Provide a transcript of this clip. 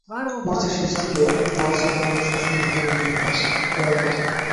মার্চের শেষ দিকে ওয়াসার পয়োনিষ্কাশন লাইনের নির্মাণকাজ শেষ করার কথা ছিল।